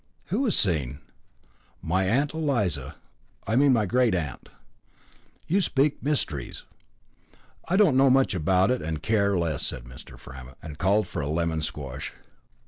"Who is seen?" "My aunt Eliza I mean my great aunt." "You speak mysteries." "I don't know much about it, and care less," said Mr. Framett, and called for a lemon squash.